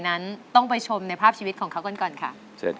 นั้นต้องไปชมในภาพชีวิตของเขากันก่อนค่ะ